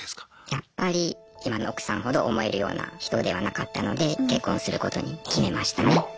やっぱり今の奥さんほど思えるような人ではなかったので結婚することに決めましたね。